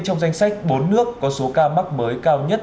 trong danh sách bốn nước có số ca mắc mới cao nhất